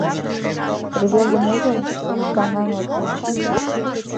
Рвезым ужын, таҥан от лий